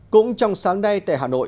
cũng trong sáng nay tại hà nội